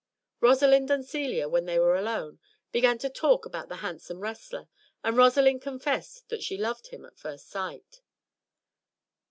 Rosalind and Celia, when they were alone, began to talk about the handsome wrestler, and Rosalind confessed that she loved him at first sight.